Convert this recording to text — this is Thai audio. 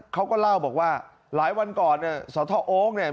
เขาก็เล่าบอกว่าหลายวันก่อนเนี่ยสทโอ๊คเนี่ย